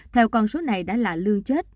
theo con số này đã là lương chết